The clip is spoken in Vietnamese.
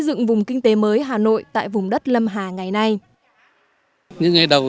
dựng vùng kinh tế mới hà nội tại vùng đất lâm hà ngày nay